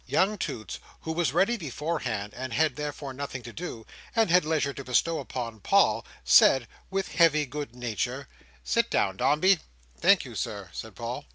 Young Toots who was ready beforehand, and had therefore nothing to do, and had leisure to bestow upon Paul, said, with heavy good nature: "Sit down, Dombey." "Thank you, Sir," said Paul.